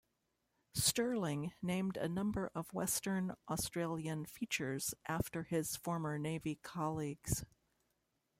Stirling named a number of Western Australian features after his former navy colleagues.